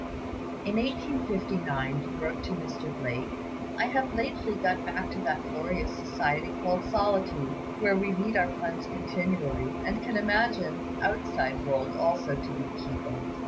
In 1859 he wrote to Mr. Blake: "I have lately got back to that glorious society called Solitude, where we meet our friends continually, and can imagine the outside world also to be peopled.